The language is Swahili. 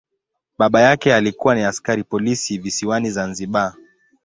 Baba yake alikuwa ni askari polisi visiwani Zanzibar.